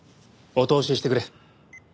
お通ししてくれ。